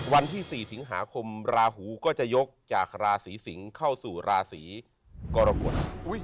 วันที่๔สิงหาคมราหูก็จะยกจากราศีสิงศ์เข้าสู่ราศีกรกฎ